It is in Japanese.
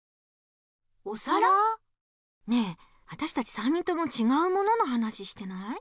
ねえわたしたち３人ともちがうものの話してない？